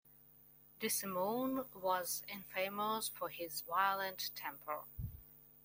DeSimone was infamous for his violent temper.